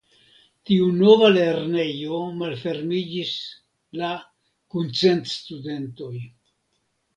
Tiu nova lernejo malfermiĝis la kun cent studentoj.